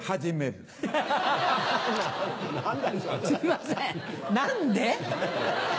すいません何で？